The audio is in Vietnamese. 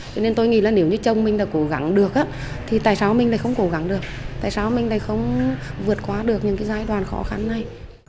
cho nên tôi nghĩ là nếu như chồng mình đã cố gắng được thì tại sao mình lại không cố gắng được tại sao mình lại không vượt qua được những cái giai đoạn khó khăn này